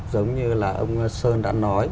giống như là ông sơn đã nói